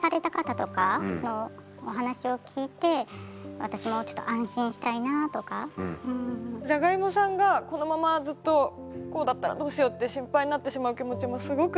まずは学校の今この時期だしだからじゃがいもさんがこのままずっとこうだったらどうしようって心配になってしまう気持ちもすごく。